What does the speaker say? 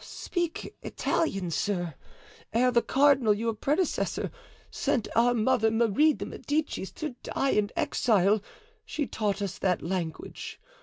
"Speak Italian, sir. Ere the cardinal, your predecessor, sent our mother, Marie de Medicis, to die in exile, she taught us that language.